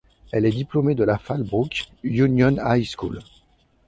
Elle est diplômée de la Fallbrook Union High School.